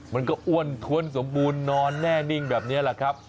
มันก็อ้วนท้วนสมบูรณ์นอนแน่นิ่งแบบนี้แหละครับ